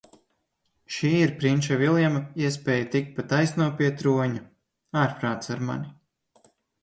Šī ir prinča Viljama iespēja tikt pa taisno pie troņa. Ārprāts ar mani.